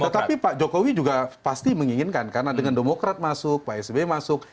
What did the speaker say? tetapi pak jokowi juga pasti menginginkan karena dengan demokrat masuk pak sby masuk